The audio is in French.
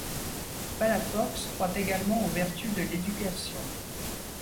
Palafox croit également aux vertus de l'éducation.